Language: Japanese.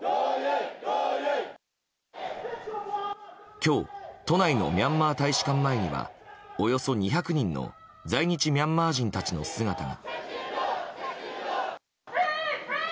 今日、都内のミャンマー大使館前にはおよそ２００人の在日ミャンマー人たちの姿が。